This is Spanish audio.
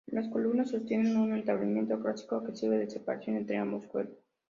Las columnas sostienen un entablamento clásico que sirve de separación entre ambos cuerpos.